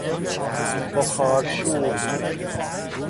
بخارشور